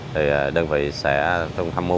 thì đơn vị sẽ thông thăm mưu